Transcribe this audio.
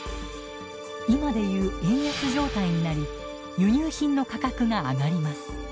今でいう円安状態になり輸入品の価格が上がります。